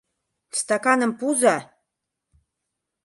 Стаканым пуыза!